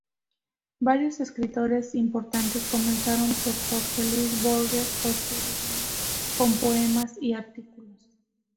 Varios escritores importantes, comenzando por Jorge Luis Borges, contribuyeron con poemas y artículos.